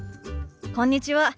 こんにちは。